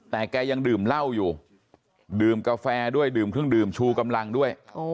แต่แกยังดื่มเหล้าอยู่ดื่มกาแฟด้วยดื่มเครื่องดื่มชูกำลังด้วย